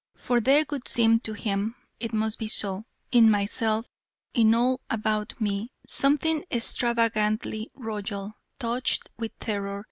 For there would seem to him it must be so in myself, in all about me, something extravagantly royal, touched with terror.